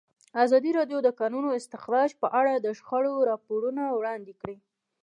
ازادي راډیو د د کانونو استخراج په اړه د شخړو راپورونه وړاندې کړي.